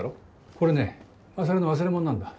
これね勝の忘れ物なんだ。